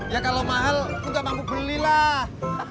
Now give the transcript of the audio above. ya kalau mahal aku gak mampu belilah